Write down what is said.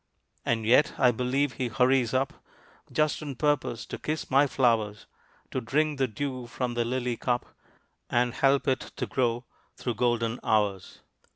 And yet I believe he hurries up Just on purpose to kiss my flowers To drink the dew from the lily cup, And help it to grow through golden hours.